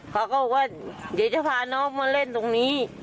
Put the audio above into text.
เขาก็บอกว่าเดี๋ยวจะพาน้องมาเล่นตรงนี้